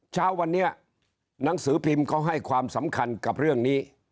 เช้าวันนี้หนังสือพิมพ์เขาให้ความสำคัญกับเรื่องนี้